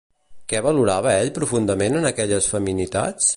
Què valorava ell profundament en aquelles feminitats?